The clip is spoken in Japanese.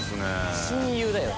親友だよ。